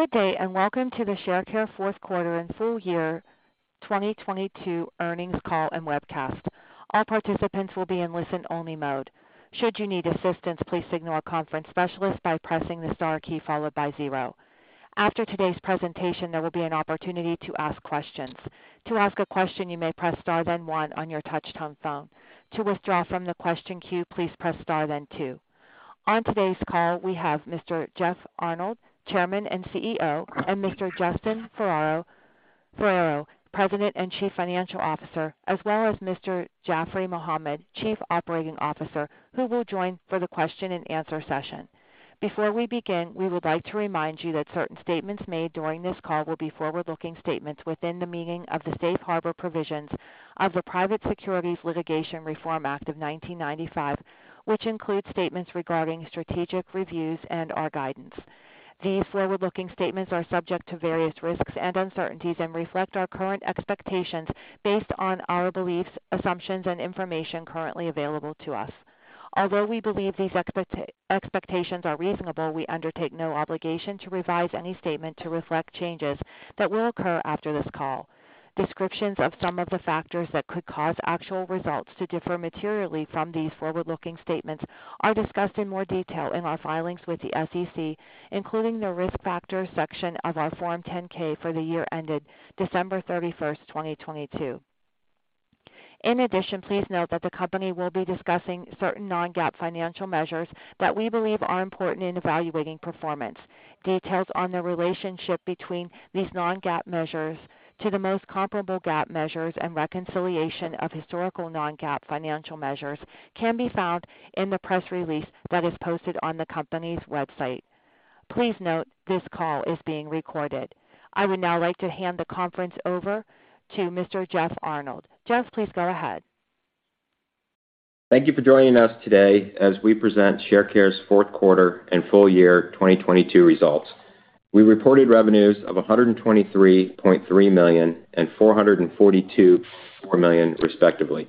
Good day. Welcome to the Sharecare fourth quarter and full year 2022 earnings call and webcast. All participants will be in listen-only mode. Should you need assistance, please signal a conference specialist by pressing the star key followed by zero. After today's presentation, there will be an opportunity to ask questions. To ask a question, you may press star then one on your touchtone phone. To withdraw from the question queue, please press star then two. On today's call, we have Mr. Jeff Arnold, Chairman and Chief Executive Officer, Mr. Justin Ferrero, President and Chief Financial Officer, as well as Mr. Jaffry Mohammed, Chief Operating Officer, who will join for the question and answer session. Before we begin, we would like to remind you that certain statements made during this call will be forward-looking statements within the meaning of the Safe Harbor Provisions of the Private Securities Litigation Reform Act of 1995, which include statements regarding strategic reviews and our guidance. These forward-looking statements are subject to various risks and uncertainties and reflect our current expectations based on our beliefs, assumptions, and information currently available to us. Although we believe these expectations are reasonable, we undertake no obligation to revise any statement to reflect changes that will occur after this call. Descriptions of some of the factors that could cause actual results to differ materially from these forward-looking statements are discussed in more detail in our filings with the SEC, including the Risk Factors section of our Form 10-K for the year ended December 31st, 2022. Please note that the company will be discussing certain non-GAAP financial measures that we believe are important in evaluating performance. Details on the relationship between these non-GAAP measures to the most comparable GAAP measures and reconciliation of historical non-GAAP financial measures can be found in the press release that is posted on the company's website. Please note this call is being recorded. I would now like to hand the conference over to Mr. Jeff Arnold. Jeff, please go ahead. Thank you for joining us today as we present Sharecare's fourth quarter and full year 2022 results. We reported revenues of $123.3 million and $442.4 million, respectively,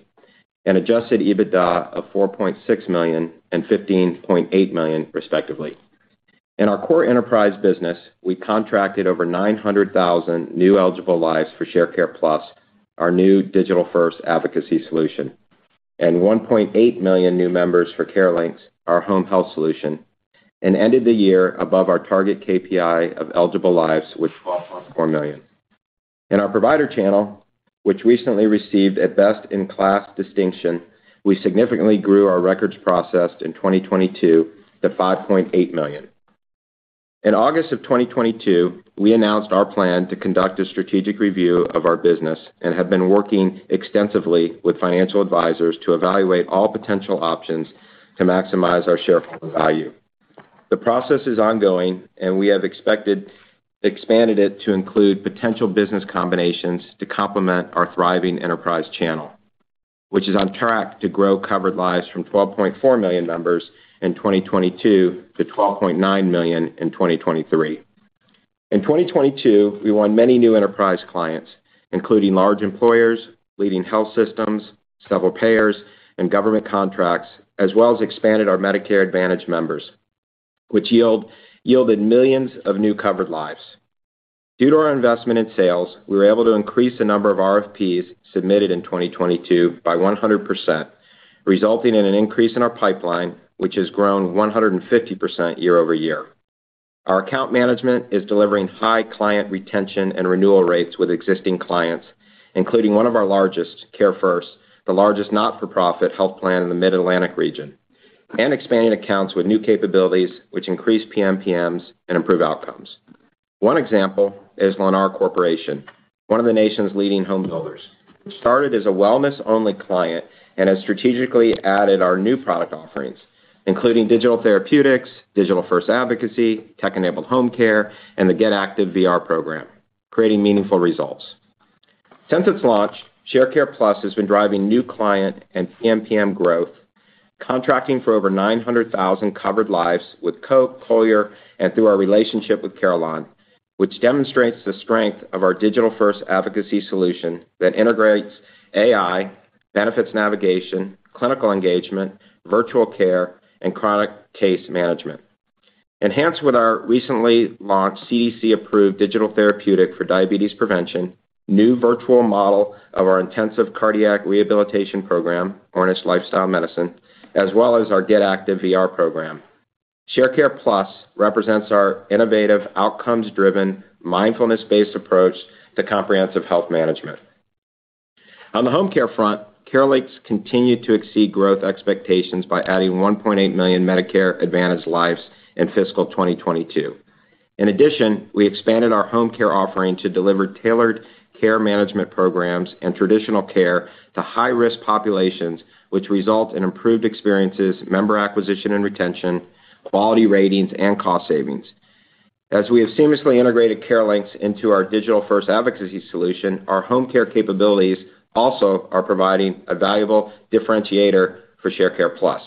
and adjusted EBITDA of $4.6 million and $15.8 million, respectively. In our core enterprise business, we contracted over 900,000 new eligible lives for Sharecare+, our new digital-first advocacy solution, and 1.8 million new members for CareLinx, our home health solution, and ended the year above our target KPI of eligible lives with 12 plus 4 million. In our provider channel, which recently received a best-in-class distinction, we significantly grew our records processed in 2022 to 5.8 million. In August of 2022, we announced our plan to conduct a strategic review of our business and have been working extensively with financial advisors to evaluate all potential options to maximize our shareholder value. The process is ongoing, and we have expanded it to include potential business combinations to complement our thriving enterprise channel, which is on track to grow covered lives from $12.4 million members in 2022 to $12.9 million in 2023. In 2022, we won many new enterprise clients, including large employers, leading health systems, several payers, and government contracts, as well as expanded our Medicare Advantage members, which yielded millions of new covered lives. Due to our investment in sales, we were able to increase the number of RFPs submitted in 2022 by 100%, resulting in an increase in our pipeline, which has grown 150% year-over-year. Our account management is delivering high client retention and renewal rates with existing clients, including one of our largest, CareFirst, the largest not-for-profit health plan in the Mid-Atlantic region, and expanding accounts with new capabilities which increase PMPMs and improve outcomes. One example is Lennar Corporation, one of the nation's leading home builders. It started as a wellness-only client and has strategically added our new product offerings, including digital therapeutics, digital-first advocacy, tech-enabled home care, and the Get Active VR program, creating meaningful results. Since its launch, Sharecare+ has been driving new client and PMPM growth, contracting for over 900,000 covered lives with Coke, Collier, and through our relationship with Carilion, which demonstrates the strength of our digital-first advocacy solution that integrates AI, benefits navigation, clinical engagement, virtual care, and chronic case management. Enhanced with our recently launched CDC-approved digital therapeutic for diabetes prevention, new virtual model of our intensive cardiac rehabilitation program, Ornish Lifestyle Medicine, as well as our Get Active VR program, Sharecare+ represents our innovative, outcomes-driven, mindfulness-based approach to comprehensive health management. On the home care front, CareLinx continued to exceed growth expectations by adding 1.8 million Medicare Advantage lives in fiscal 2022. We expanded our home care offering to deliver tailored care management programs and traditional care to high-risk populations, which result in improved experiences, member acquisition and retention, quality ratings, and cost savings. As we have seamlessly integrated CareLinx into our digital-first advocacy solution, our home care capabilities also are providing a valuable differentiator for Sharecare+.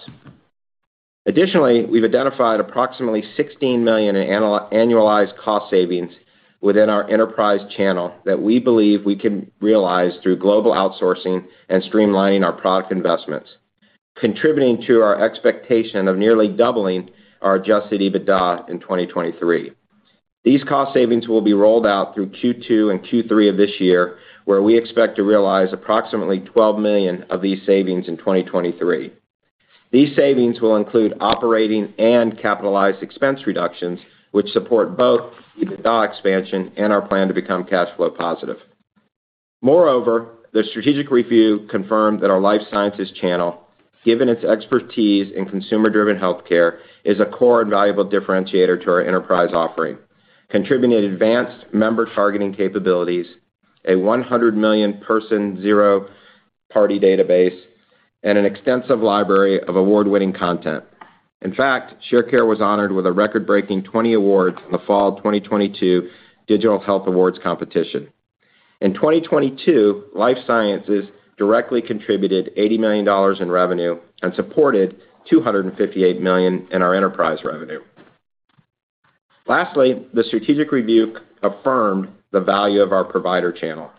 We've identified approximately $16 million in annualized cost savings within our enterprise channel that we believe we can realize through global outsourcing and streamlining our product investments. Contributing to our expectation of nearly doubling our adjusted EBITDA in 2023. These cost savings will be rolled out through Q2 and Q3 of this year, where we expect to realize approximately $12 million of these savings in 2023. These savings will include operating and capitalized expense reductions, which support both EBITDA expansion and our plan to become cash flow positive. Moreover, the strategic review confirmed that our Life Sciences channel, given its expertise in consumer-driven healthcare, is a core and valuable differentiator to our enterprise offering, contributing advanced member targeting capabilities, a 100 million person zero-party database, and an extensive library of award-winning content. In fact, Sharecare was honored with a record-breaking 20 awards in the Fall 2022 Digital Health Awards competition. In 2022, Life Sciences directly contributed $80 million in revenue and supported $258 million in our enterprise revenue. Lastly, the strategic review affirmed the value of our provider channel.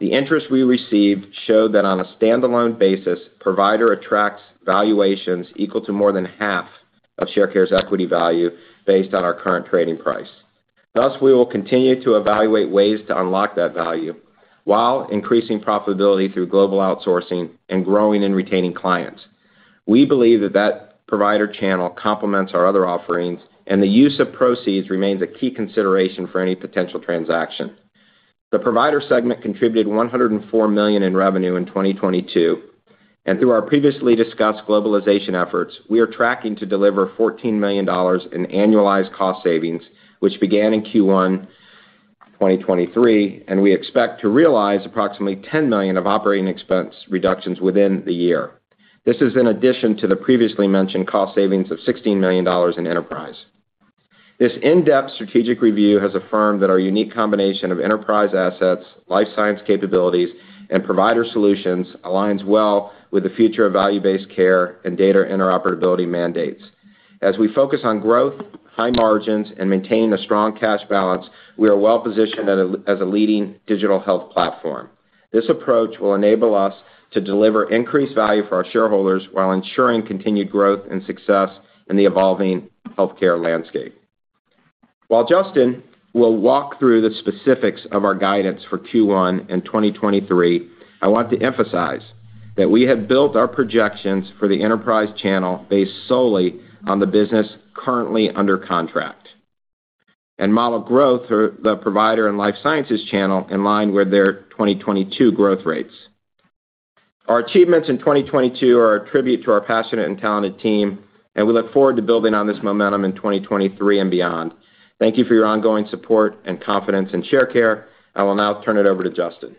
The interest we received showed that on a standalone basis, provider attracts valuations equal to more than half of Sharecare's equity value based on our current trading price. Thus, we will continue to evaluate ways to unlock that value while increasing profitability through global outsourcing and growing and retaining clients. We believe that provider channel complements our other offerings, and the use of proceeds remains a key consideration for any potential transaction. The provider segment contributed $104 million in revenue in 2022, and through our previously discussed globalization efforts, we are tracking to deliver $14 million in annualized cost savings, which began in Q1 2023, and we expect to realize approximately $10 million of operating expense reductions within the year. This is in addition to the previously mentioned cost savings of $16 million in enterprise. This in-depth strategic review has affirmed that our unique combination of enterprise assets, life science capabilities, and provider solutions aligns well with the future of value-based care and data interoperability mandates. As we focus on growth, high margins, and maintaining a strong cash balance, we are well positioned as a leading digital health platform. This approach will enable us to deliver increased value for our shareholders while ensuring continued growth and success in the evolving healthcare landscape. While Justin will walk through the specifics of our guidance for Q1 in 2023, I want to emphasize that we have built our projections for the enterprise channel based solely on the business currently under contract. Model growth through the provider and life sciences channel in line with their 2022 growth rates. Our achievements in 2022 are a tribute to our passionate and talented team, and we look forward to building on this momentum in 2023 and beyond. Thank you for your ongoing support and confidence in Sharecare. I will now turn it over to Justin.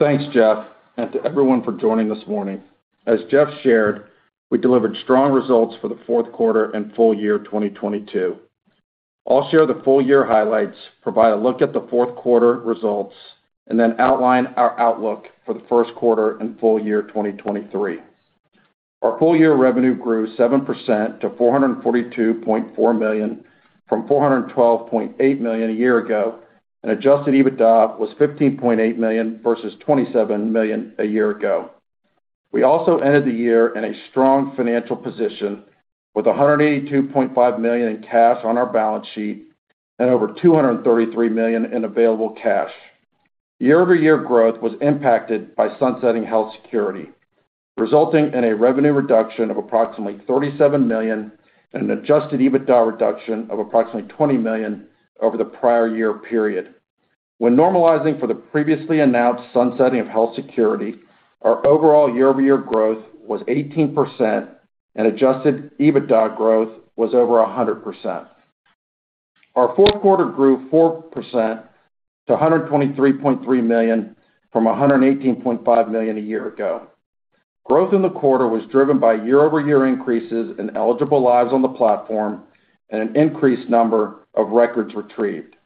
Thanks, Jeff, and to everyone for joining this morning. As Jeff shared, we delivered strong results for the fourth quarter and full year 2022. I'll share the full year highlights, provide a look at the fourth quarter results, and then outline our outlook for the first quarter and full year 2023. Our full year revenue grew 7% to $442.4 million from $412.8 million a year ago. Adjusted EBITDA was $15.8 million versus $27 million a year ago. We also ended the year in a strong financial position with $182.5 million in cash on our balance sheet and over $233 million in available cash. Year-over-year growth was impacted by sunsetting Health Security, resulting in a revenue reduction of approximately $37 million and an adjusted EBITDA reduction of approximately $20 million over the prior year period. When normalizing for the previously announced sunsetting of Health Security, our overall year-over-year growth was 18% and adjusted EBITDA growth was over 100%. Our fourth quarter grew 4% to $123.3 million from $118.5 million a year ago. Growth in the quarter was driven by year-over-year increases in eligible lives on the platform and an increased number of records retrieved.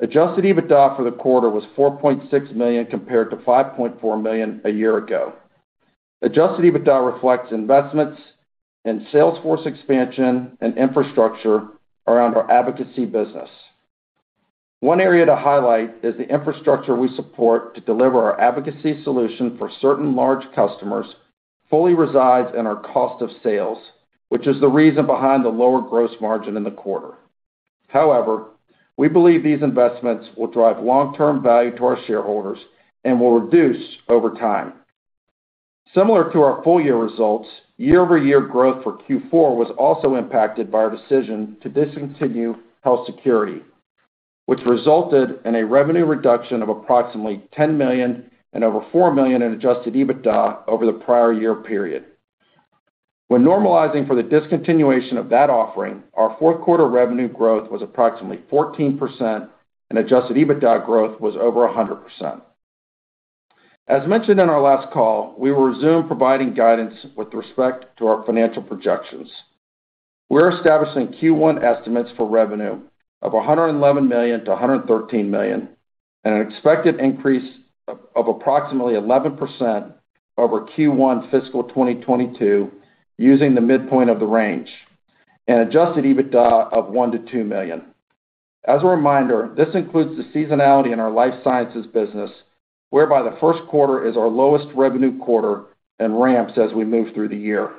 Adjusted EBITDA for the quarter was $4.6 million compared to $5.4 million a year ago. Adjusted EBITDA reflects investments in sales force expansion and infrastructure around our advocacy business. One area to highlight is the infrastructure we support to deliver our advocacy solution for certain large customers fully resides in our cost of sales, which is the reason behind the lower gross margin in the quarter. We believe these investments will drive long-term value to our shareholders and will reduce over time. Similar to our full year results, year-over-year growth for Q4 was also impacted by our decision to discontinue Health Security, which resulted in a revenue reduction of approximately $10 million and over $4 million in adjusted EBITDA over the prior year period. When normalizing for the discontinuation of that offering, our fourth quarter revenue growth was approximately 14% and adjusted EBITDA growth was over 100%. As mentioned in our last call, we will resume providing guidance with respect to our financial projections. We're establishing Q1 estimates for revenue of $111 million-$113 million, and an expected increase of approximately 11% over Q1 fiscal 2022 using the midpoint of the range, and adjusted EBITDA of $1 million-$2 million. As a reminder, this includes the seasonality in our life sciences business, whereby the first quarter is our lowest revenue quarter and ramps as we move through the year.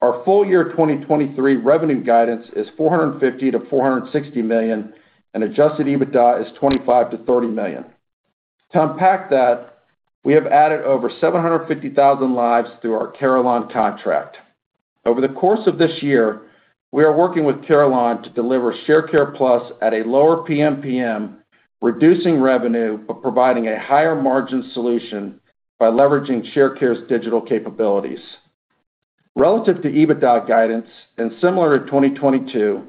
Our full year 2023 revenue guidance is $450 million-$460 million, and adjusted EBITDA is $25 million-$30 million. To unpack that, we have added over 750,000 lives through our Carilion contract. Over the course of this year, we are working with Carilion to deliver Sharecare+ at a lower PMPM, reducing revenue, but providing a higher margin solution by leveraging Sharecare's digital capabilities. Relative to EBITDA guidance, similar to 2022,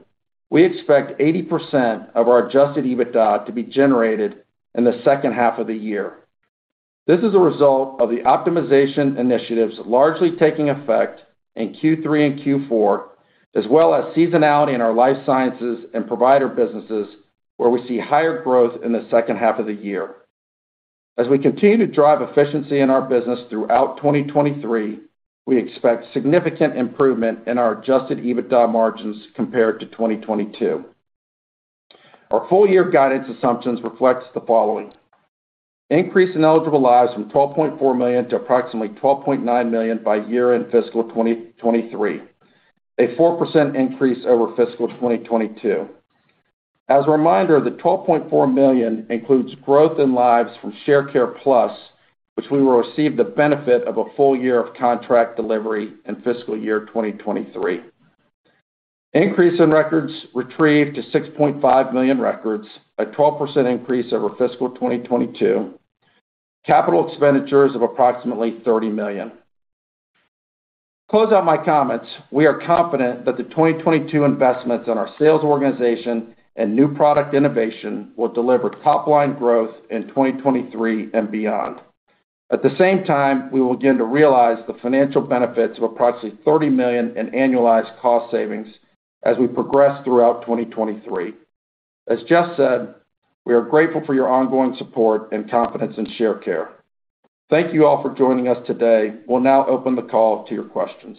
we expect 80% of our adjusted EBITDA to be generated in the second half of the year. This is a result of the optimization initiatives largely taking effect in Q3 and Q4, as well as seasonality in our life sciences and provider businesses, where we see higher growth in the second half of the year. As we continue to drive efficiency in our business throughout 2023, we expect significant improvement in our adjusted EBITDA margins compared to 2022. Our full year guidance assumptions reflects the following. Increase in eligible lives from 12.4 million to approximately 12.9 million by year-end fiscal 2023, a 4% increase over fiscal 2022. As a reminder, the $12.4 million includes growth in lives from Sharecare+, which we will receive the benefit of a full year of contract delivery in fiscal year 2023. Increase in records retrieved to 6.5 million records, a 12% increase over fiscal 2022. Capital expenditures of approximately $30 million. To close out my comments, we are confident that the 2022 investments in our sales organization and new product innovation will deliver top line growth in 2023 and beyond. At the same time, we will begin to realize the financial benefits of approximately $30 million in annualized cost savings as we progress throughout 2023. As Jeff said, we are grateful for your ongoing support and confidence in Sharecare. Thank you all for joining us today. We'll now open the call to your questions.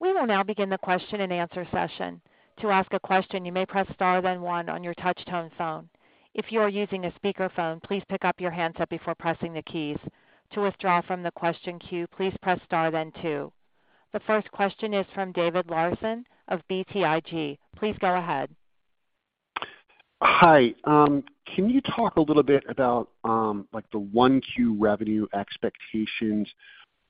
We will now begin the question and answer session. To ask a question, you may press star then one on your touch tone phone. If you are using a speaker phone, please pick up your handset before pressing the keys. To withdraw from the question queue, please press star then two. The first question is from David Larsen of BTIG. Please go ahead. Hi. Can you talk a little bit about like the 1Q revenue expectations?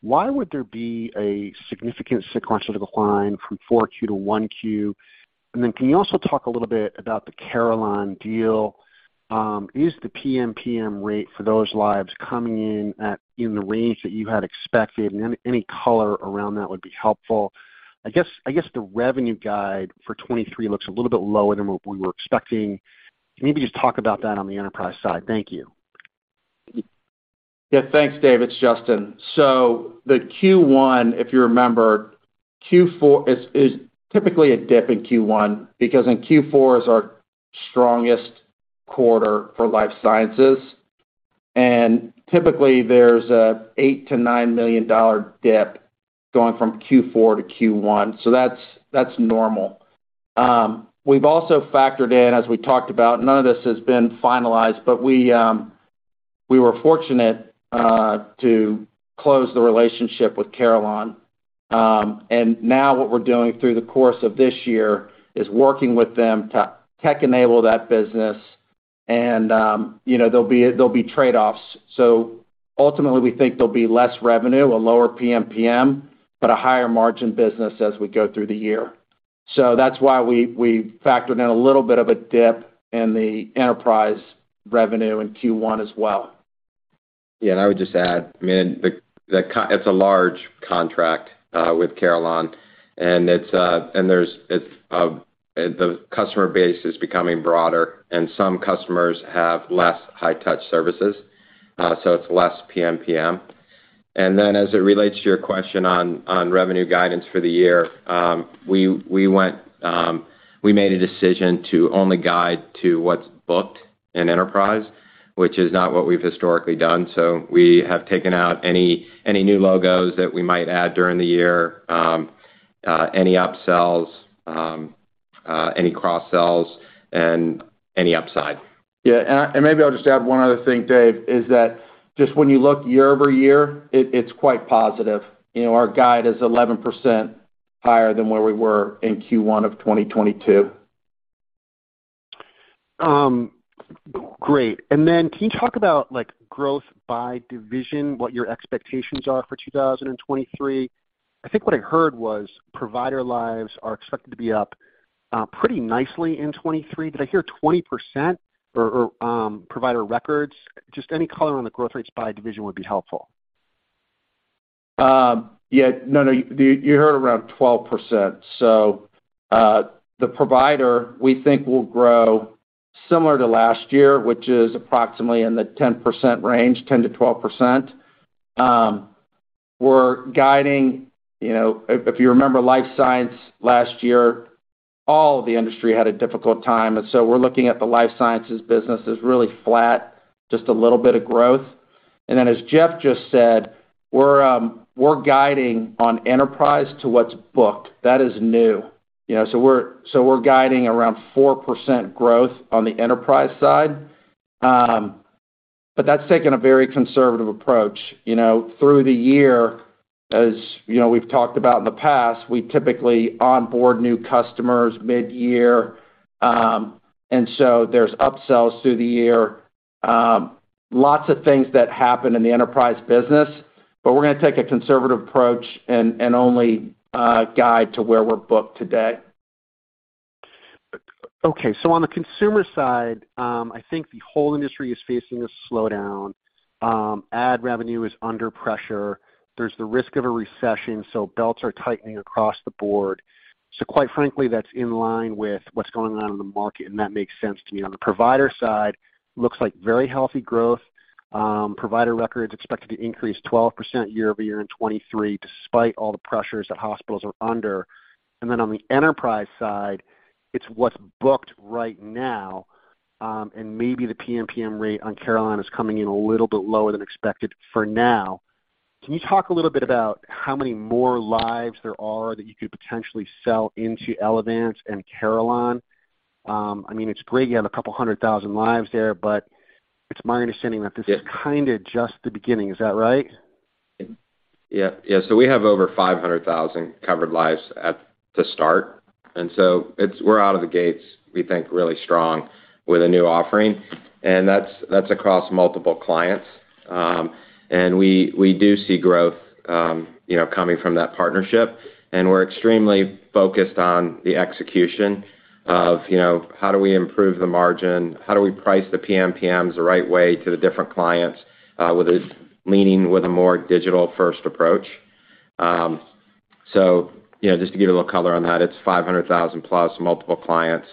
Why would there be a significant sequential decline from 4Q to 1Q? Can you also talk a little bit about the Carilion deal? Is the PMPM rate for those lives coming in the range that you had expected? Any color around that would be helpful. I guess the revenue guide for 2023 looks a little bit lower than what we were expecting. Can you maybe just talk about that on the enterprise side? Thank you. Yeah, thanks, David. It's Justin. The Q1, if you remember, Q4 is typically a dip in Q1 because in Q4 is our strongest quarter for life sciences. Typically, there's a $8 million-$9 million dip going from Q4 to Q1. That's normal. We've also factored in, as we talked about, none of this has been finalized, but we were fortunate to close the relationship with Carilion. Now what we're doing through the course of this year is working with them to tech enable that business, and, you know, there'll be trade-offs. Ultimately, we think there'll be less revenue, a lower PMPM, but a higher margin business as we go through the year. That's why we factored in a little bit of a dip in the enterprise revenue in Q1 as well. I would just add, I mean, it's a large contract with Carilion, and it's and there's it's the customer base is becoming broader and some customers have less high touch services, so it's less PMPM. As it relates to your question on revenue guidance for the year, we went, we made a decision to only guide to what's booked in enterprise, which is not what we've historically done. We have taken out any new logos that we might add during the year, any upsells, any cross sells and any upside. Yeah, maybe I'll just add one other thing, David, is that just when you look year-over-year, it's quite positive. You know, our guide is 11% higher than where we were in Q1 of 2022. Great. Can you talk about like growth by division, what your expectations are for 2023? I think what I heard was provider lives are expected to be up pretty nicely in 2023. Did I hear 20% or, provider records? Just any color on the growth rates by division would be helpful. Yeah, no, you heard around 12%. The provider, we think will grow similar to last year, which is approximately in the 10% range, 10%-12%. We're guiding, you know, if you remember, life science last year, all the industry had a difficult time. We're looking at the life sciences business as really flat, just a little bit of growth. As Jeff just said, we're guiding on enterprise to what's booked. That is new, you know. We're guiding around 4% growth on the enterprise side. That's taken a very conservative approach, you know. Through the year, as, you know, we've talked about in the past, we typically onboard new customers midyear. There's upsells through the year. Lots of things that happen in the enterprise business, but we're gonna take a conservative approach and only guide to where we're booked today. Okay. On the consumer side, I think the whole industry is facing a slowdown. Ad revenue is under pressure. There's the risk of a recession, belts are tightening across the board. Quite frankly, that's in line with what's going on in the market, and that makes sense to me. On the provider side, looks like very healthy growth. Provider records expected to increase 12% year-over-year in 2023 despite all the pressures that hospitals are under. On the enterprise side, it's what's booked right now, and maybe the PMPM rate on Carelon is coming in a little bit lower than expected for now. Can you talk a little bit about how many more lives there are that you could potentially sell into Elevance and Carelon? I mean, it's great you have 200,000 lives there, it's my understanding that this Yeah kinda just the beginning. Is that right? Yeah. Yeah. We have over 500,000 covered lives at the start. We're out of the gates, we think, really strong with a new offering, and that's across multiple clients. We, we do see growth, you know, coming from that partnership, and we're extremely focused on the execution of, you know, how do we improve the margin? How do we price the PMPMs the right way to the different clients, leaning with a more digital-first approach? You know, just to give you a little color on that, it's 500,000 plus, multiple clients,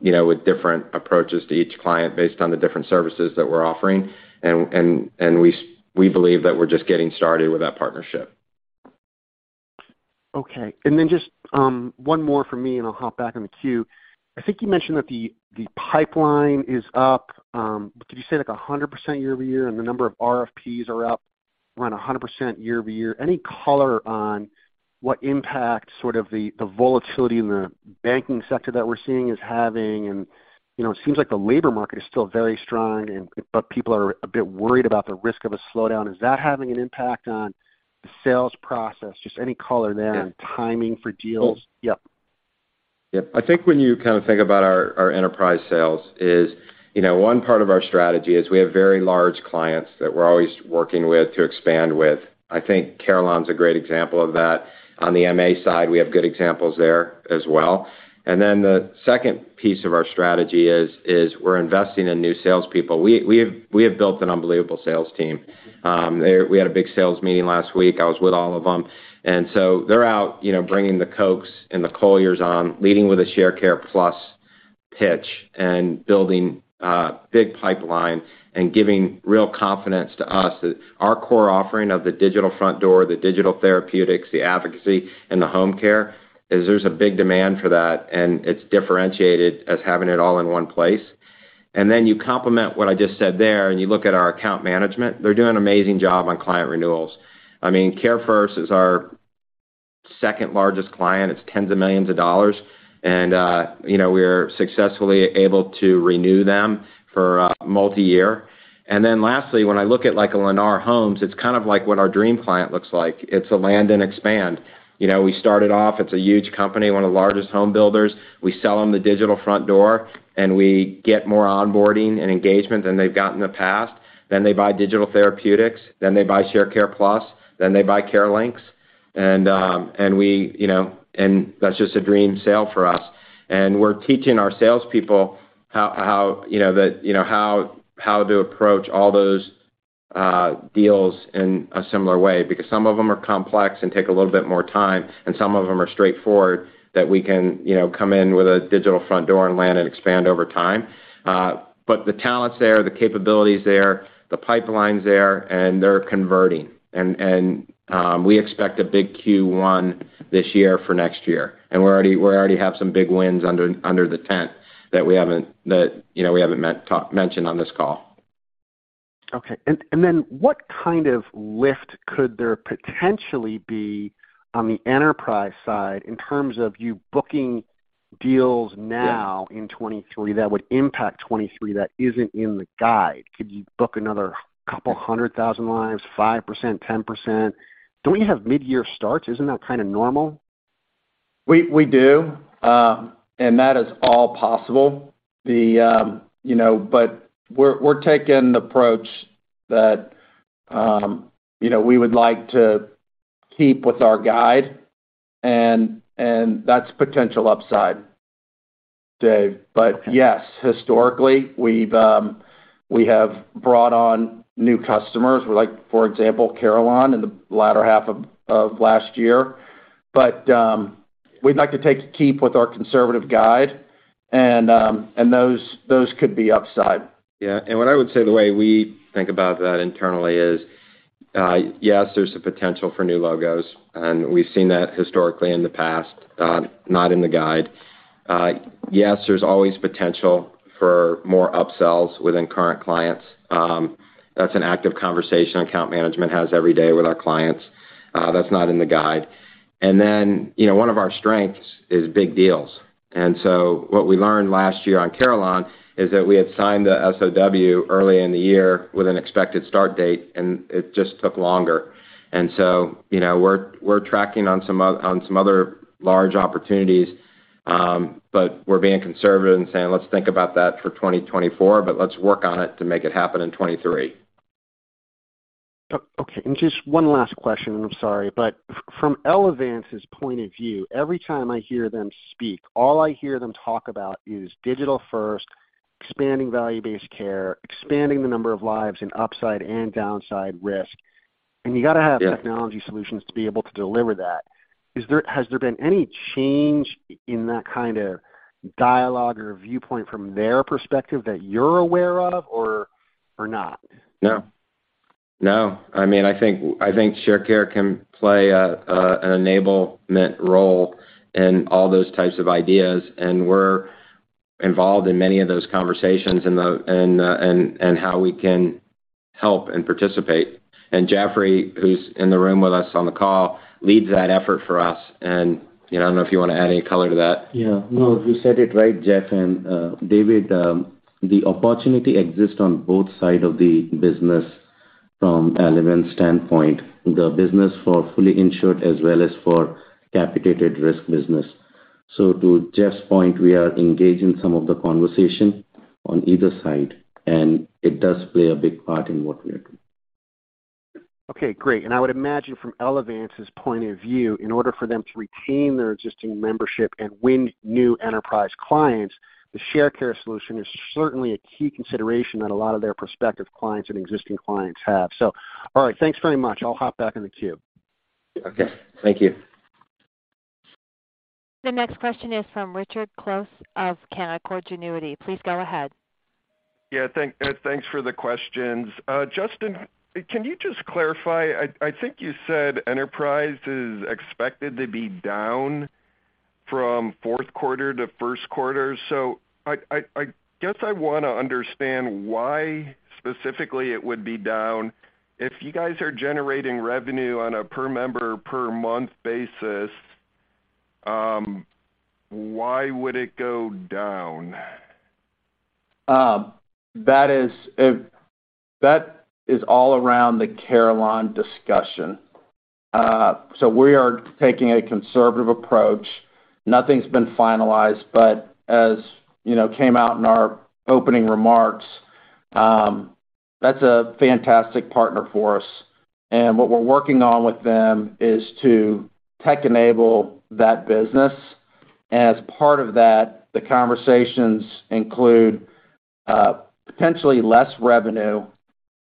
you know, with different approaches to each client based on the different services that we're offering. We believe that we're just getting started with that partnership. Okay. Then just, one more from me, and I'll hop back in the queue. I think you mentioned that the pipeline is up, did you say like 100% year-over-year, and the number of RFPs are up around 100% year-over-year. Any color on what impact sort of the volatility in the banking sector that we're seeing is having? You know, it seems like the labor market is still very strong but people are a bit worried about the risk of a slowdown. Is that having an impact on the sales process? Just any color there. Yeah Timing for deals? Well- Yep. Yep. I think when you kind of think about our enterprise sales is, you know, one part of our strategy is we have very large clients that we're always working with to expand with. I think Carelon's a great example of that. On the MA side, we have good examples there as well. The second piece of our strategy is we're investing in new salespeople. We have built an unbelievable sales team. They We had a big sales meeting last week. I was with all of them. They're out, you know, bringing the Cokes and the Colliers on, leading with a Sharecare+ pitch and building a big pipeline and giving real confidence to us that our core offering of the digital front door, the digital therapeutics, the advocacy, and the home care, is there's a big demand for that, and it's differentiated as having it all in one place. You complement what I just said there, and you look at our account management. They're doing an amazing job on client renewals. I mean, CareFirst is our second largest client. It's tens of millions of dollars. You know, we are successfully able to renew them for multiyear. Lastly, when I look at, like, a Lennar Homes, it's kind of like what our dream client looks like. It's a land and expand. You know, we started off, it's a huge company, one of the largest home builders. We sell them the digital front door, and we get more onboarding and engagement than they've got in the past. They buy digital therapeutics, then they buy Sharecare+, then they buy CareLinx. That's just a dream sale for us. We're teaching our salespeople how to approach all those deals in a similar way because some of them are complex and take a little bit more time, and some of them are straightforward that we can, you know, come in with a digital front door and land and expand over time. The talent's there, the capability is there, the pipeline's there, and they're converting. We expect a big Q1 this year for next year. We already have some big wins under the tent that we haven't, that, you know, we haven't mentioned on this call. Okay. Then what kind of lift could there potentially be on the enterprise side in terms of you booking deals now? Yeah In 2023 that would impact 2023 that isn't in the guide? Could you book another 200,000 lives, 5%, 10%? Don't you have midyear starts? Isn't that kind of normal? We do. That is all possible. You know, we're taking the approach that, you know, we would like to keep with our guide and that's potential upside, David. Yes, historically, we have brought on new customers like, for example, Carelon in the latter half of last year. We'd like to keep with our conservative guide and those could be upside. Yeah. What I would say the way we think about that internally is Yes, there's a potential for new logos. We've seen that historically in the past, not in the guide. Yes, there's always potential for more upsells within current clients. That's an active conversation account management has every day with our clients, that's not in the guide. You know, one of our strengths is big deals. What we learned last year on Carilion is that we had signed the SOW early in the year with an expected start date. It just took longer. You know, we're tracking on some other large opportunities, but we're being conservative and saying, "Let's think about that for 2024, but let's work on it to make it happen in 2023. Okay. Just one last question, and I'm sorry. From Elevance's point of view, every time I hear them speak, all I hear them talk about is digital first, expanding value-based care, expanding the number of lives in upside and downside risk. You gotta have- Yeah Technology solutions to be able to deliver that. Has there been any change in that kind of dialogue or viewpoint from their perspective that you're aware of or not? No. No. I mean, I think Sharecare can play a an enablement role in all those types of ideas, and we're involved in many of those conversations and how we can help and participate. Jaffry, who's in the room with us on the call, leads that effort for us. You know, I don't know if you wanna add any color to that. Yeah. No, you said it right, Jeff and David. The opportunity exists on both side of the business from Elevance standpoint, the business for fully insured as well as for capitated risk business. To Jeff's point, we are engaged in some of the conversation on either side, and it does play a big part in what we are doing. Okay, great. I would imagine from Elevance's point of view, in order for them to retain their existing membership and win new enterprise clients, the Sharecare solution is certainly a key consideration that a lot of their prospective clients and existing clients have. All right, thanks very much. I'll hop back in the queue. Okay. Thank you. The next question is from Richard Close of Canaccord Genuity. Please go ahead. Thanks for the questions. Justin, can you just clarify, I think you said enterprise is expected to be down from fourth quarter to first quarter. I guess I wanna understand why specifically it would be down. If you guys are generating revenue on a per member, per month basis, why would it go down? That is all around the Carilion discussion. We are taking a conservative approach. Nothing's been finalized, but as, you know, came out in our opening remarks, that's a fantastic partner for us. What we're working on with them is to tech enable that business. As part of that, the conversations include potentially less revenue,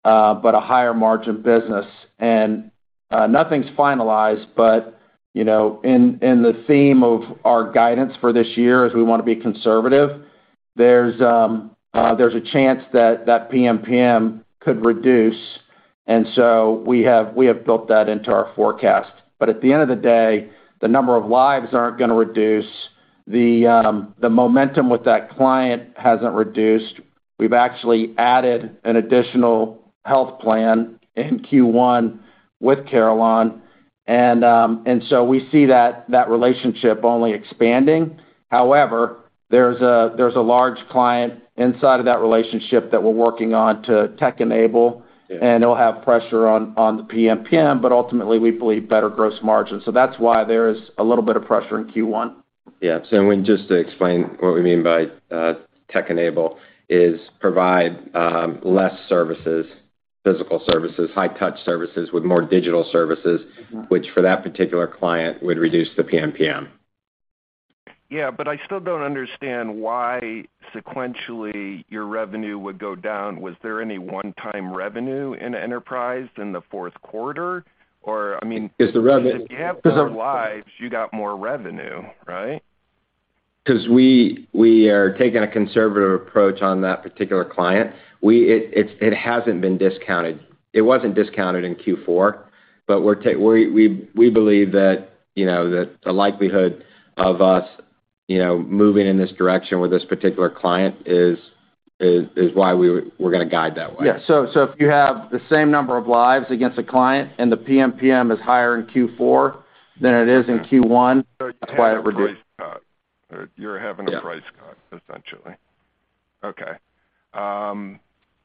but a higher margin business. Nothing's finalized but, you know, in the theme of our guidance for this year, as we wanna be conservative, there's a chance that that PMPM could reduce, we have built that into our forecast. At the end of the day, the number of lives aren't gonna reduce. The momentum with that client hasn't reduced. We've actually added an additional health plan in Q1 with Carilion, and so we see that relationship only expanding. However, there's a large client inside of that relationship that we're working on to tech enable. Yeah. It'll have pressure on the PMPM, but ultimately we believe better gross margin. That's why there is a little bit of pressure in Q1. Just to explain what we mean by tech-enabled, is provide less services, physical services, high-touch services with more digital services. Mm-hmm Which for that particular client would reduce the PMPM. Yeah. I still don't understand why sequentially your revenue would go down. Was there any one-time revenue in enterprise in the fourth quarter? I mean. It's the revenue- If you have more lives, you got more revenue, right? 'Cause we are taking a conservative approach on that particular client. It hasn't been discounted. It wasn't discounted in Q4, but we believe that, you know, that the likelihood of us, you know, moving in this direction with this particular client is why we're gonna guide that way. Yeah. If you have the same number of lives against a client and the PMPM is higher in Q4 than it is in Q1, that's why it reduced. You're having a price cut. Yeah Essentially. Okay. I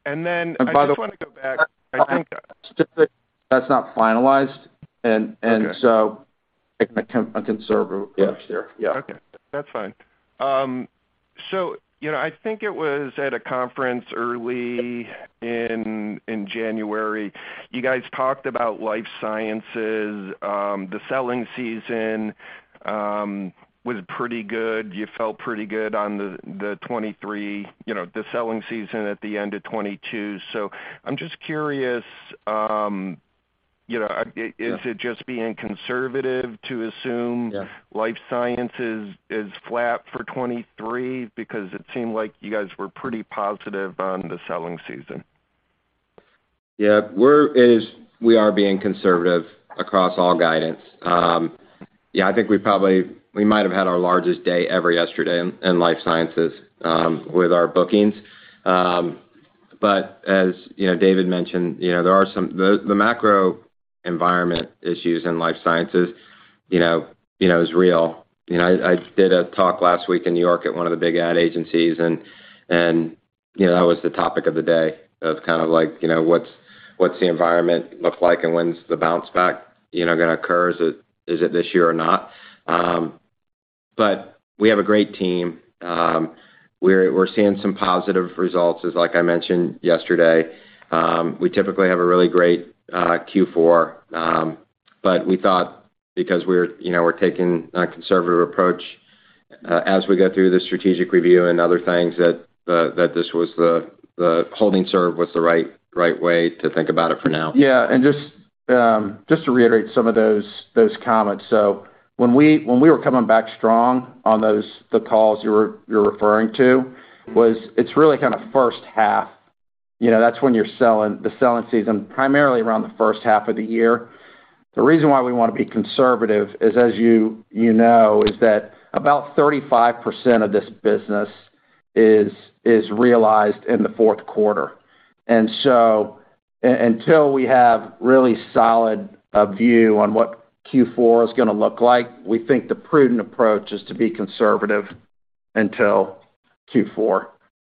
just wanna go back- By the way, that, I think, specifically, that's not finalized. Okay Taking a conservative approach there. Yeah. Yeah. Okay. That's fine. you know, I think it was at a conference early in January, you guys talked about life sciences, the selling season, was pretty good. You felt pretty good on the 2023, you know, the selling season at the end of 2022. I'm just curious, you know, is it just being conservative to assume- Yeah Life sciences is flat for 2023? Because it seemed like you guys were pretty positive on the selling season. We are being conservative across all guidance. I think we might have had our largest day ever yesterday in life sciences with our bookings. As, you know, David mentioned, you know, the macro environment issues in life sciences, you know, is real. You know, I did a talk last week in New York at one of the big ad agencies and, you know, that was the topic of the day of kind of like, you know, what's the environment look like and when's the bounce back, you know, gonna occur? Is it this year or not? We have a great team. We're seeing some positive results, as like I mentioned yesterday. We typically have a really great Q4. We thought because we're, you know, we're taking a conservative approach, as we go through the strategic review and other things that this was the holding serve was the right way to think about it for now. Yeah. Just to reiterate some of those comments. When we, when we were coming back strong on those, the calls you're referring to, was it's really kind of first half, you know, that's when the selling season, primarily around the first half of the year. The reason why we wanna be conservative is, as you know, is that about 35% of this business is realized in the fourth quarter. Until we have really solid, view on what Q4 is gonna look like, we think the prudent approach is to be conservative until Q4.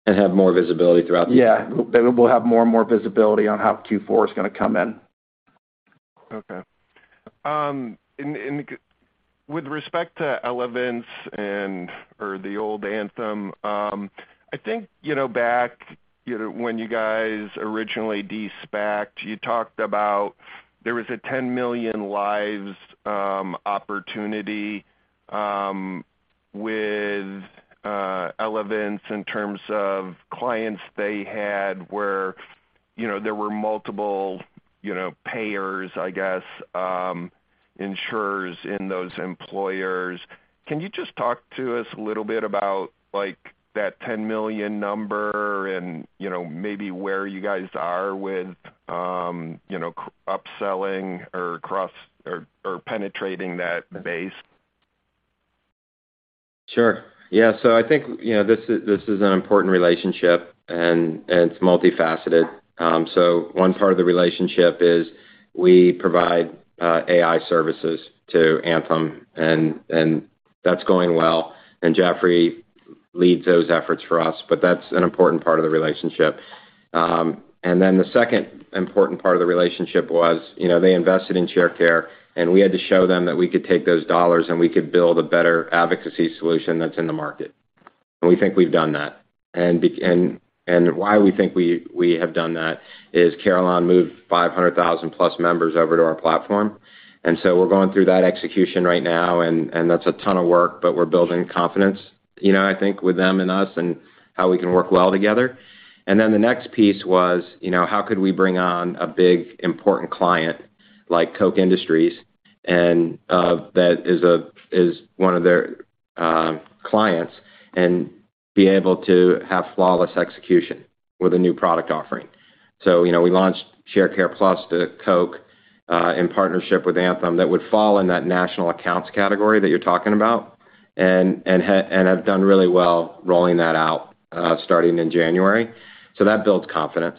Have more visibility throughout the year. Yeah. We'll have more and more visibility on how Q4 is gonna come in. Okay. With respect to Elevance or the old Anthem, I think, you know, back, you know, when you guys originally de-SPAC'd, you talked about there was a 10 million lives opportunity with Elevance in terms of clients they had where, you know, there were multiple, you know, payers, I guess, insurers in those employers. Can you just talk to us a little bit about, like, that 10 million number and, you know, maybe where you guys are with, you know, upselling or cross or penetrating that base? Sure. Yeah. I think, you know, this is, this is an important relationship and it's multifaceted. One part of the relationship is we provide AI services to Anthem and that's going well. Jeffrey leads those efforts for us, but that's an important part of the relationship. Then the second important part of the relationship was, you know, they invested in Sharecare, and we had to show them that we could take those dollars, and we could build a better advocacy solution that's in the market. We think we've done that. Why we think we have done that is Carelon moved 500,000 plus members over to our platform. We're going through that execution right now and that's a ton of work, but we're building confidence, you know, I think with them and us and how we can work well together. The next piece was, you know, how could we bring on a big, important client like Koch Industries and that is one of their clients and be able to have flawless execution with a new product offering. We launched Sharecare+ to Koch in partnership with Anthem that would fall in that national accounts category that you're talking about, and have done really well rolling that out starting in January. That builds confidence.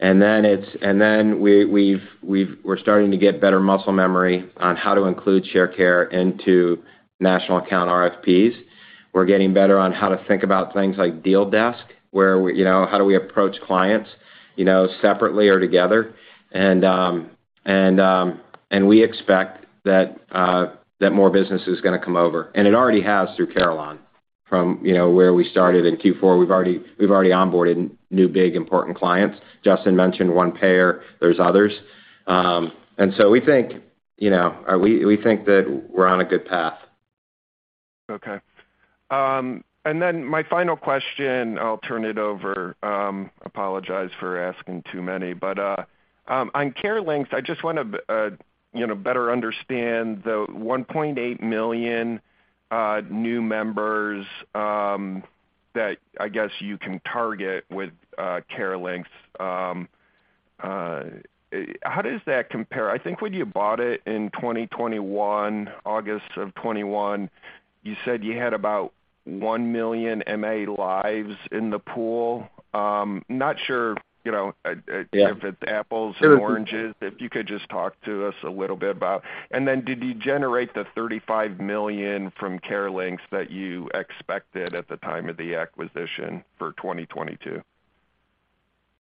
Then we're starting to get better muscle memory on how to include Sharecare into national account RFPs. We're getting better on how to think about things like Deal Desk, where we you know, how do we approach clients, you know, separately or together. We expect that more business is gonna come over. It already has through Carelon from, you know, where we started in Q4. We've already onboarded new big important clients. Justin mentioned one payer. There's others. We think, you know, we think that we're on a good path. Okay. My final question, I'll turn it over. Apologize for asking too many. On CareLinx, I just wanna, you know, better understand the 1.8 million new members that I guess you can target with CareLinx. How does that compare? I think when you bought it in 2021, August of 2021, you said you had about 1 million MA lives in the pool. Not sure, you know. Yeah If it's apples or oranges, if you could just talk to us a little bit about. Did you generate the $35 million from CareLinx that you expected at the time of the acquisition for 2022?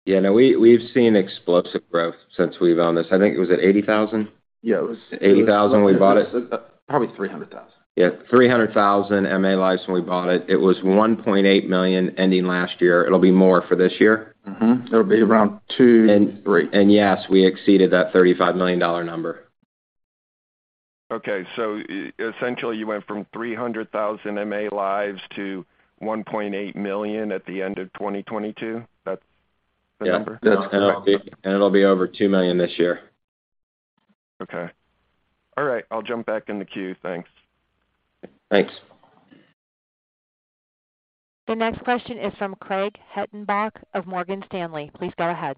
Yeah. No, we've seen explosive growth since we've owned this. I think it was at 80,000? Yeah, it was-. $80 thousand we bought it. Probably $300,000. Yeah, 300,000 MA lives when we bought it. It was 1.8 million ending last year. It'll be more for this year. Mm-hmm. It'll be around two, three. Yes, we exceeded that $35 million number. Okay. Essentially, you went from 300,000 MA lives to 1.8 million at the end of 2022? That's the number? Yeah. It'll be over $2 million this year. Okay. All right. I'll jump back in the queue. Thanks. Thanks. The next question is from Craig Hettenbach of Morgan Stanley. Please go ahead.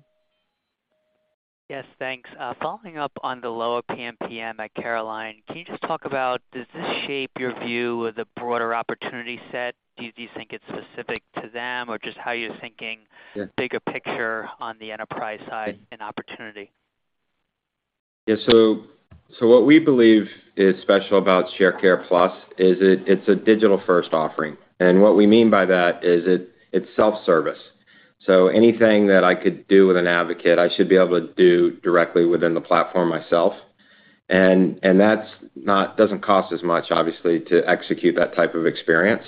Yes, thanks. Following up on the lower PMPM at Carelon, can you just talk about does this shape your view of the broader opportunity set? Do you think it's specific to them, or just how you're thinking- Yeah. Bigger picture on the enterprise side and opportunity? What we believe is special about Sharecare+ is it's a digital-first offering. What we mean by that is it's self-service. Anything that I could do with an advocate, I should be able to do directly within the platform myself. That doesn't cost as much, obviously, to execute that type of experience.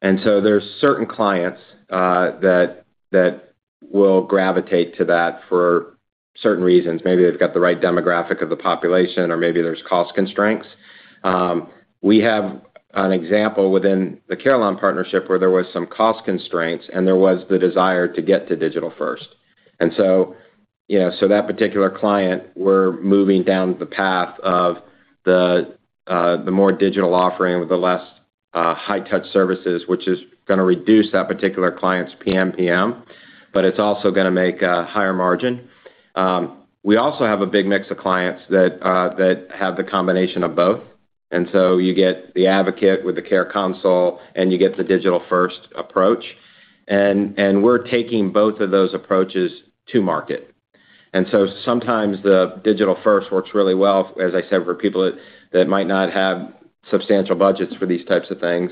There's certain clients that will gravitate to that for certain reasons. Maybe they've got the right demographic of the population or maybe there's cost constraints. We have an example within the Carilion partnership where there was some cost constraints, there was the desire to get to digital first. You know, so that particular client, we're moving down the path of the more digital offering with the less high-touch services, which is gonna reduce that particular client's PMPM, but it's also gonna make a higher margin. We also have a big mix of clients that have the combination of both. You get the advocate with the care consult, and you get the digital-first approach. We're taking both of those approaches to market. Sometimes the digital-first works really well, as I said, for people that might not have substantial budgets for these types of things.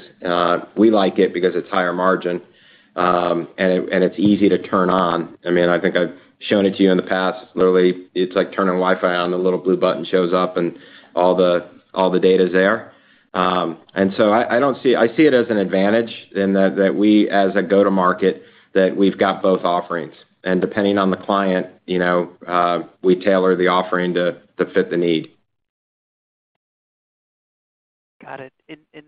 We like it because it's higher margin, and it's easy to turn on. I mean, I think I've shown it to you in the past. Literally, it's like turning Wi-Fi on, the little blue button shows up, and all the data's there. I see it as an advantage in that we as a go-to-market, that we've got both offerings. Depending on the client, you know, we tailor the offering to fit the need. Got it.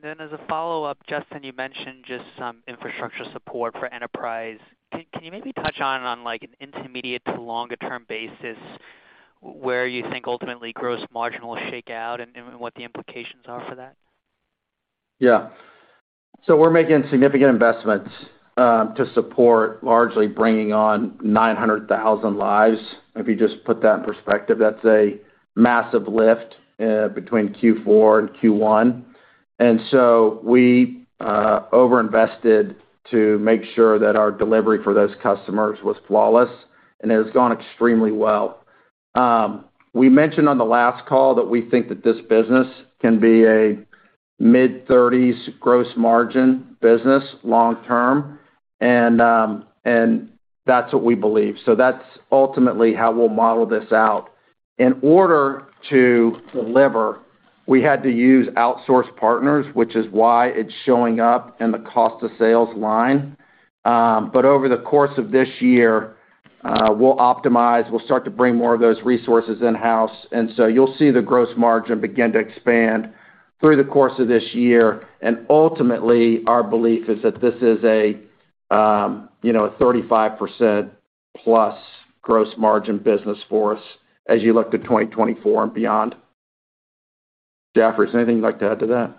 Then as a follow-up, Justin, you mentioned just some infrastructure support for enterprise. Can you maybe touch on like an intermediate to longer term basis where you think ultimately gross margin will shake out and what the implications are for that? We're making significant investments, to support largely bringing on 900,000 lives. If you just put that in perspective, that's a massive lift, between Q4 and Q1. We over-invested to make sure that our delivery for those customers was flawless, and it has gone extremely well. We mentioned on the last call that we think that this business can be a mid-30s gross margin business long term. That's what we believe. That's ultimately how we'll model this out. In order to deliver, we had to use outsource partners, which is why it's showing up in the cost of sales line. Over the course of this year, we'll optimize, we'll start to bring more of those resources in-house. You'll see the gross margin begin to expand through the course of this year. Ultimately, our belief is that this is a, you know, 35% plus gross margin business for us as you look to 2024 and beyond. Jaffry, is there anything you'd like to add to that?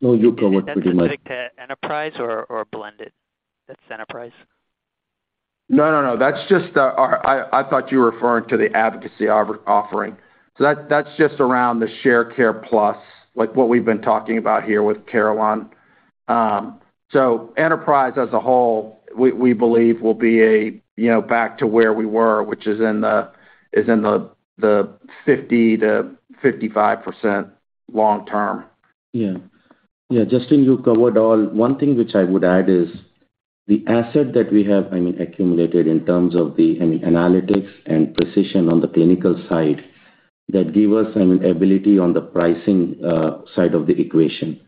No, you covered pretty much. Is that specific to enterprise or blended? That's enterprise? No, no. That's just I thought you were referring to the advocacy offering. That's just around the Sharecare+ like what we've been talking about here with Carilion. enterprise as a whole, we believe will be a, you know, back to where we were, which is in the 50%-55% long term. Yeah. Yeah, Justin, you covered all. One thing which I would add is the asset that we have, I mean, accumulated in terms of the analytics and precision on the clinical side that give us an ability on the pricing side of the equation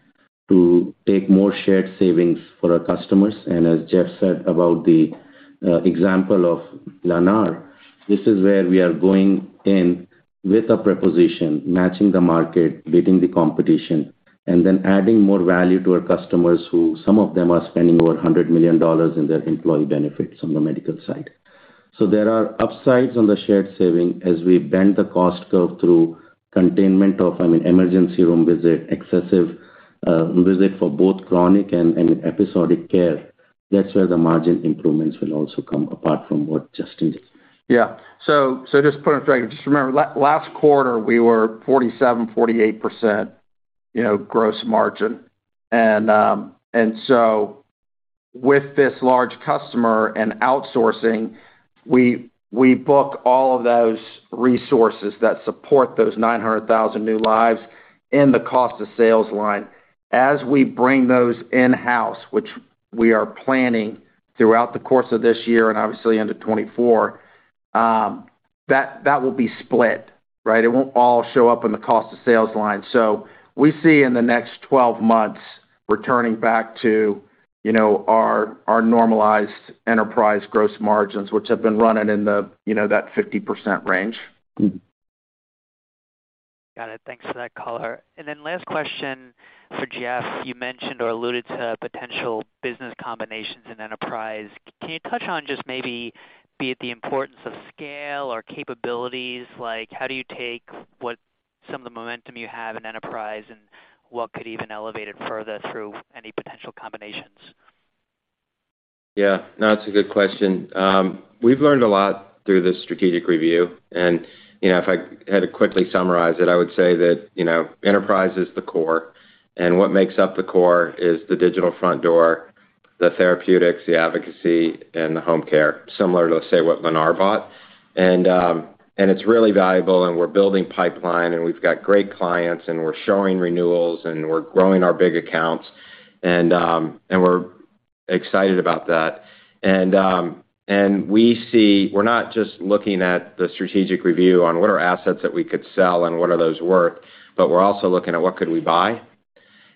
to take more shared savings for our customers. As Jeff said about the example of Lennar, this is where we are going in with a preposition, matching the market, beating the competition, then adding more value to our customers who some of them are spending over $100 million in their employee benefits on the medical side. There are upsides on the shared saving as we bend the cost curve through containment of, I mean, emergency room visit, excessive visit for both chronic and episodic care. That's where the margin improvements will also come apart from what Justin said. Yeah. Just putting it straight, just remember last quarter we were 47%-48%, you know, gross margin. With this large customer and outsourcing, we book all of those resources that support those 900,000 new lives in the cost of sales line. As we bring those in-house, which we are planning throughout the course of this year and obviously into 2024, that will be split, right? It won't all show up in the cost of sales line. We see in the next 12 months returning back to, you know, our normalized enterprise gross margins, which have been running in the, you know, that 50% range. Mm-hmm. Got it. Thanks for that color. Last question for Jeff. You mentioned or alluded to potential business combinations in enterprise. Can you touch on just maybe be it the importance of scale or capabilities? Like, how do you take what some of the momentum you have in enterprise and what could even elevate it further through any potential combinations? Yeah. No, it's a good question. We've learned a lot through this strategic review. You know, if I had to quickly summarize it, I would say that, you know, enterprise is the core, and what makes up the core is the digital front door, the therapeutics, the advocacy, and the home care, similar to, say, what Lennar bought. It's really valuable, and we're building pipeline, and we've got great clients, and we're showing renewals, and we're growing our big accounts. We're excited about that. We're not just looking at the strategic review on what are assets that we could sell and what are those worth, but we're also looking at what could we buy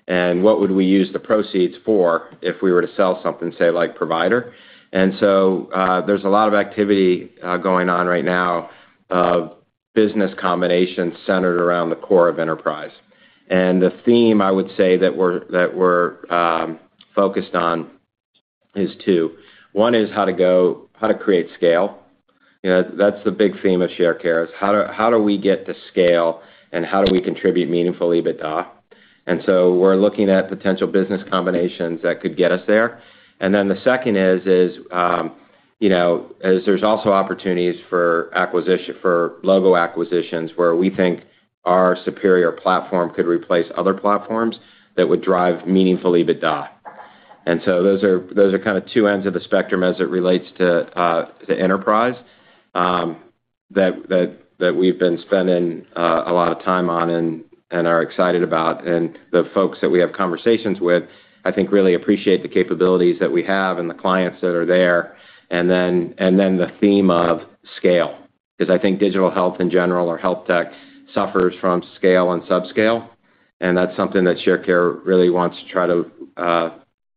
and what would we use the proceeds for if we were to sell something, say, like provider. There's a lot of activity going on right now of business combinations centered around the core of enterprise. The theme I would say that we're focused on is two. one is how to create scale. You know, that's the big theme of Sharecare, is how do we get to scale and how do we contribute meaningful EBITDA? We're looking at potential business combinations that could get us there. The second is, you know, there's also opportunities for logo acquisitions where we think our superior platform could replace other platforms that would drive meaningful EBITDA. Those are, those are kind of two ends of the spectrum as it relates to enterprise that we've been spending a lot of time on and are excited about. The folks that we have conversations with, I think, really appreciate the capabilities that we have and the clients that are there. Then the theme of scale, 'cause I think digital health in general or health tech suffers from scale and sub-scale, and that's something that Sharecare really wants to try to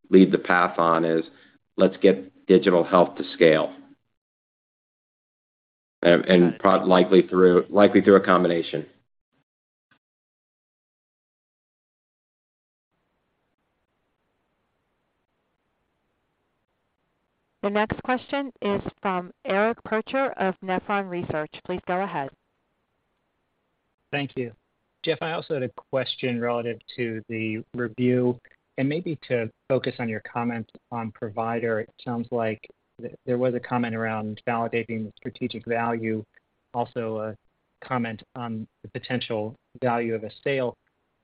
lead the path on, is let's get digital health to scale. Likely through a combination. The next question is from Eric Percher of Nephron Research. Please go ahead. Thank you. Jeff, I also had a question relative to the review and maybe to focus on your comment on provider. It sounds like there was a comment around validating the strategic value, also a comment on the potential value of a sale.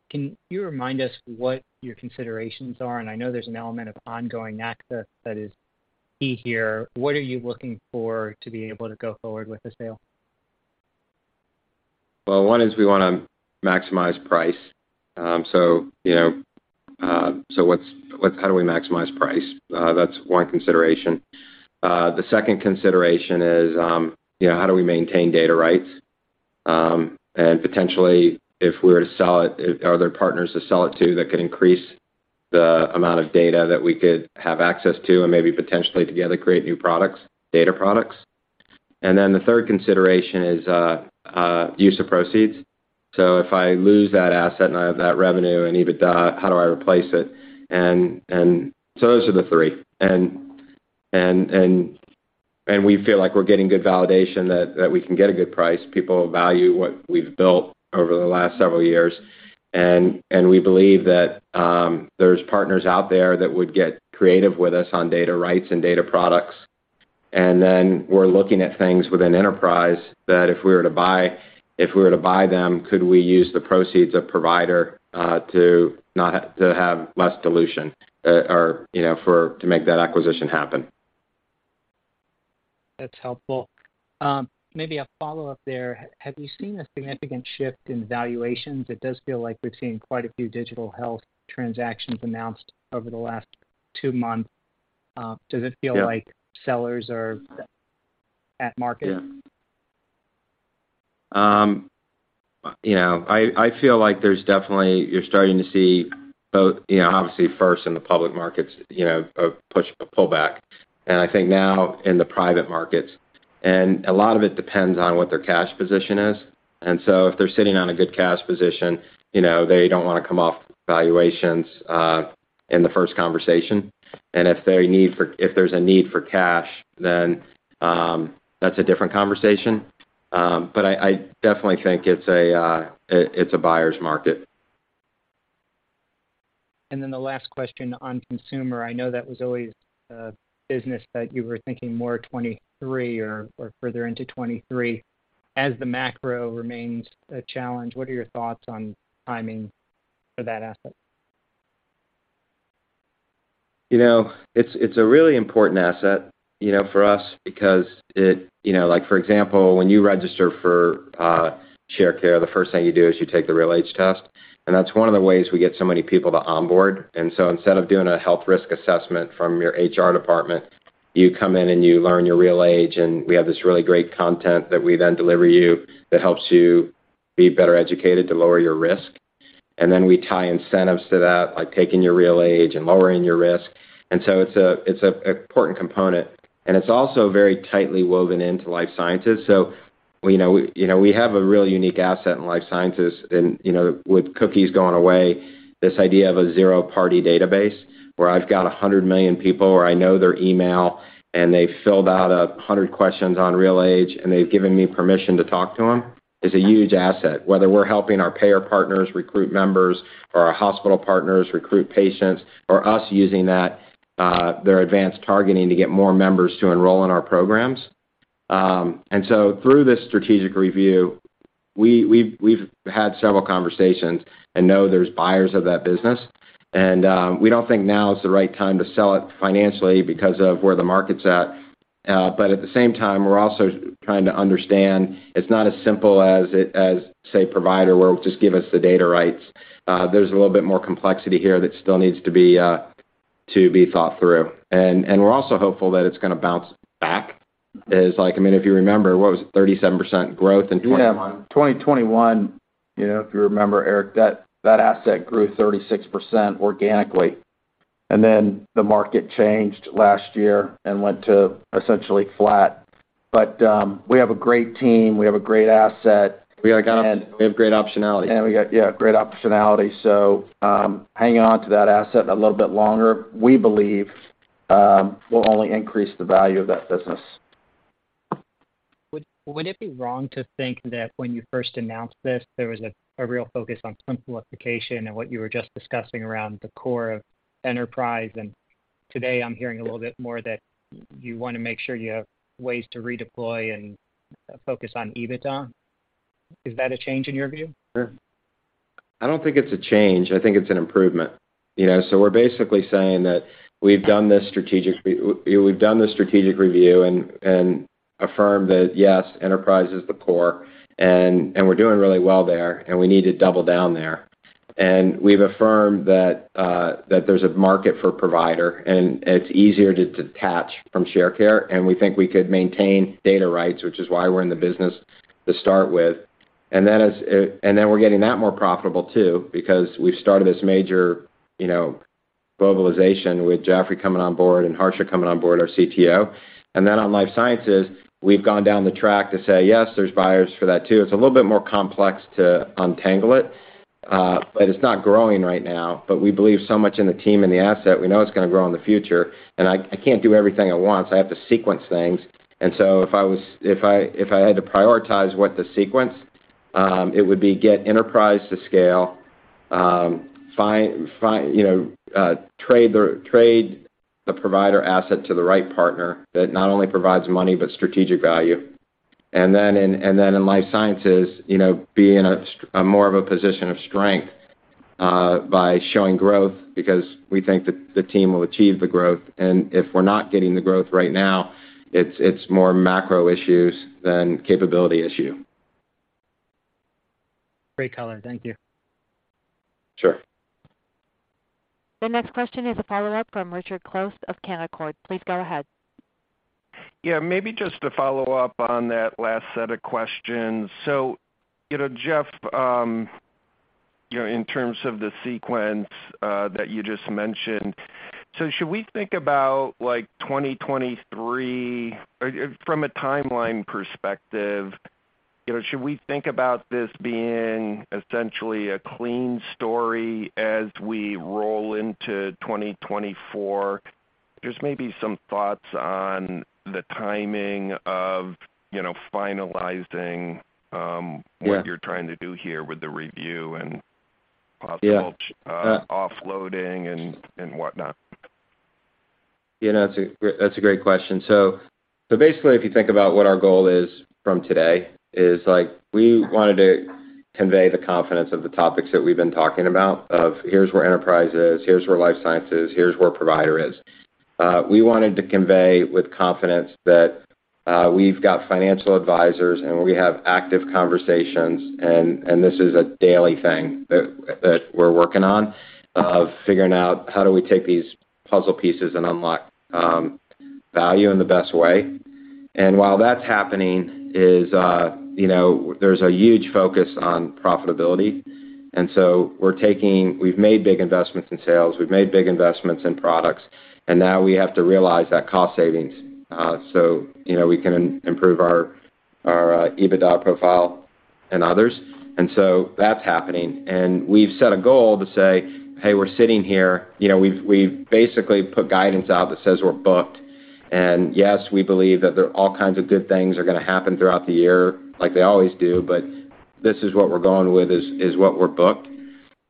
Can you remind us what your considerations are? I know there's an element of ongoing access that is key here. What are you looking for to be able to go forward with the sale? Well, one is we wanna maximize price. You know, how do we maximize price? That's one consideration. The second consideration is, you know, how do we maintain data rights? Potentially, if we were to sell it, are there partners to sell it to that could increase the amount of data that we could have access to and maybe potentially together create new products, data products? Then the third consideration is use of proceeds. If I lose that asset and I have that revenue and EBITDA, how do I replace it? Those are the three. We feel like we're getting good validation that we can get a good price. People value what we've built over the last several years, and we believe that there's partners out there that would get creative with us on data rights and data products. Then we're looking at things within enterprise that if we were to buy them, could we use the proceeds of provider to have less dilution or, you know, to make that acquisition happen. That's helpful. Maybe a follow-up there. Have you seen a significant shift in valuations? It does feel like we've seen quite a few digital health transactions announced over the last two months. Does it feel like. Yeah. Sellers are at market? Yeah. You know, I feel like there's definitely, you're starting to see both, you know, obviously first in the public markets, you know, a pullback, and I think now in the private markets. A lot of it depends on what their cash position is. If they're sitting on a good cash position, you know, they don't wanna come off valuations in the first conversation. If there's a need for cash, then that's a different conversation. I definitely think it's a buyer's market. The last question on consumer, I know that was always a business that you were thinking more 2023 or further into 2023. As the macro remains a challenge, what are your thoughts on timing for that asset? It's a really important asset, you know, for us because it, you know, like for example, when you register for Sharecare, the first thing you do is you take the RealAge Test. That's one of the ways we get so many people to onboard. Instead of doing a health risk assessment from your HR department, you come in and you learn your RealAge. We have this really great content that we then deliver you that helps you be better educated to lower your risk. We tie incentives to that, like taking your RealAge and lowering your risk. It's a important component, and it's also very tightly woven into Life Sciences. You know, we have a real unique asset in life sciences and, you know, with cookies going away, this idea of a zero-party database where I've got 100 million people or I know their email and they've filled out 100 questions on RealAge and they've given me permission to talk to them, is a huge asset. Whether we're helping our payer partners recruit members or our hospital partners recruit patients or us using that, their advanced targeting to get more members to enroll in our programs. Through this strategic review, we've had several conversations and know there's buyers of that business. We don't think now is the right time to sell it financially because of where the market's at. At the same time, we're also trying to understand it's not as simple as, say, provider, where just give us the data rights. There's a little bit more complexity here that still needs to be to be thought through. We're also hopeful that it's gonna bounce back. Is like, I mean, if you remember, what was it? 37% growth in 2021. Yeah. 2021, you know, if you remember, Eric, that asset grew 36% organically. The market changed last year and went to essentially flat. We have a great team. We have a great asset. We have great optionality. We got, yeah, great optionality. Hanging on to that asset a little bit longer, we believe, will only increase the value of that business. Would it be wrong to think that when you first announced this, there was a real focus on simplification and what you were just discussing around the core of enterprise? Today I'm hearing a little bit more that you wanna make sure you have ways to redeploy and focus on EBITDA. Is that a change in your view? Sure. I don't think it's a change. I think it's an improvement. You know, we're basically saying that we've done this strategic review and affirmed that, yes, enterprise is the core and we're doing really well there, and we need to double down there. We've affirmed that there's a market for provider and it's easier to detach from Sharecare, and we think we could maintain data rights, which is why we're in the business to start with. As, and then we're getting that more profitable too, because we've started this major, you know, globalization with Jeffrey coming on board and Harsha coming on board our Chief Technology Officer. On life sciences, we've gone down the track to say, yes, there's buyers for that too. It's a little bit more complex to untangle it, but it's not growing right now. We believe so much in the team and the asset, we know it's gonna grow in the future. I can't do everything at once. I have to sequence things. If I had to prioritize what the sequence, it would be get enterprise to scale, find, you know, trade the provider asset to the right partner that not only provides money, but strategic value. Then in life sciences, you know, be in a more of a position of strength by showing growth because we think that the team will achieve the growth. If we're not getting the growth right now, it's more macro issues than capability issue. Great color. Thank you. Sure. The next question is a follow-up from Richard Close of Canaccord. Please go ahead. Yeah, maybe just to follow up on that last set of questions. You know, Jeff, you know, in terms of the sequence that you just mentioned, or from a timeline perspective, you know, should we think about this being essentially a clean story as we roll into 2024? Just maybe some thoughts on the timing of, you know, finalizing. Yeah... what you're trying to do here with the review. Yeah. -possible, offloading and whatnot. You know, that's a great question. Basically if you think about what our goal is from today is like we wanted to convey the confidence of the topics that we've been talking about of here's where enterprise is, here's where life sciences, here's where provider is. We wanted to convey with confidence that we've got financial advisors and we have active conversations and this is a daily thing that we're working on of figuring out how do we take these puzzle pieces and unlock value in the best way. While that's happening is, you know, there's a huge focus on profitability. We've made big investments in sales, we've made big investments in products, and now we have to realize that cost savings, so, you know, we can improve our EBITDA profile and others. That's happening. We've set a goal to say, "Hey, we're sitting here." You know, we've basically put guidance out that says we're booked. Yes, we believe that there are all kinds of good things are gonna happen throughout the year, like they always do, but this is what we're going with, is what we're booked,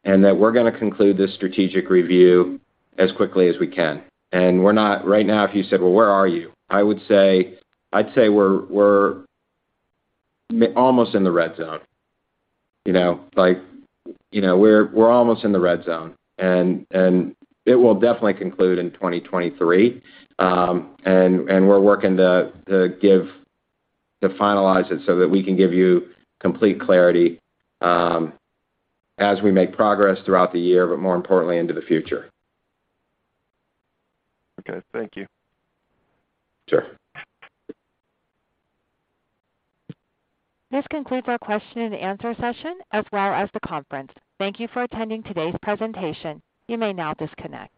and that we're gonna conclude this strategic review as quickly as we can. We're not right now, if you said, "Well, where are you?" I'd say we're almost in the red zone. You know, like, you know, we're almost in the red zone. It will definitely conclude in 2023. We're working to finalize it so that we can give you complete clarity as we make progress throughout the year, but more importantly, into the future. Okay. Thank you. Sure. This concludes our question and answer session, as well as the conference. Thank you for attending today's presentation. You may now disconnect.